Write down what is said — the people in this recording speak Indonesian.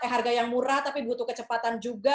harga yang murah tapi butuh kecepatan juga